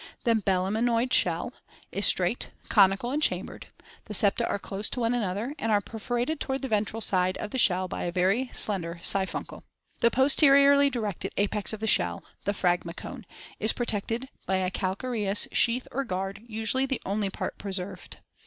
The belemnoid shell (Figs. 114, 115) is straight, conical, and chambered; the septa are close to one another and are perforated toward the ventral side of the shell by a very slender siphuncle. The posteriorly directed apex of the shell, the phragmacone (see Fig. 115), is protected by a calcareous sheath or guard, usually the only part preserved.